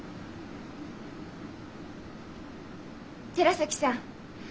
寺崎さん